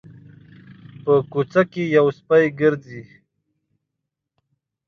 په کوڅه کې یو سپی ګرځي